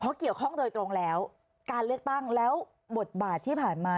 เพราะเกี่ยวข้องโดยตรงแล้วการเลือกตั้งแล้วบทบาทที่ผ่านมา